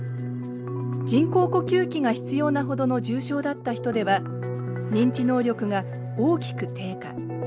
人工呼吸器が必要なほどの重症だった人では認知能力が大きく低下。